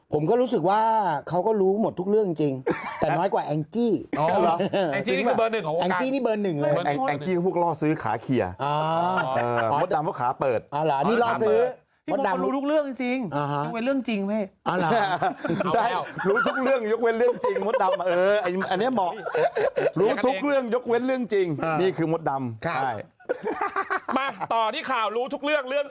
ผมก็รู้สึกว่าเขาก็รู้หมดทุกเรื่องจริง